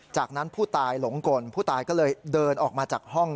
จากนั้นผู้ตายหลงกลผู้ตายก็เลยเดินออกมาจากห้อง